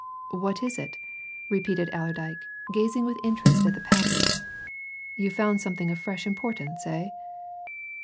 "What is it!" repeated Allerdyke, gazing with interest at the package. "You've found something of fresh importance, eh!"